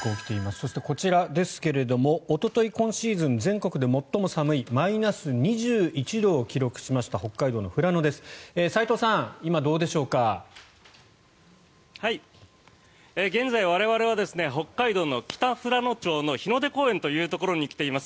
そして、こちらですがおととい今シーズン全国で最も寒いマイナス２１度を記録しました北海道の富良野です。